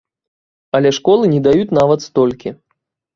Але школы не даюць нават столькі.